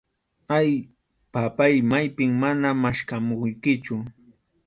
Ay, papáy, maypim mana maskhamuykichu.